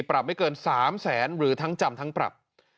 ปรับไม่เกิน๓แสนหรือทั้งจำทั้งปรับ